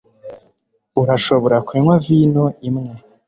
urashobora kunywa vino imwe